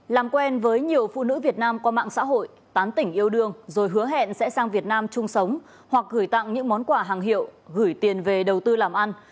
làm quen với nhiều phụ nữ việt nam qua mạng xã hội tán tỉnh yêu đương rồi hứa hẹn sẽ sang việt nam chung sống hoặc gửi tặng những món quà hàng hiệu gửi tiền về đầu tư làm ăn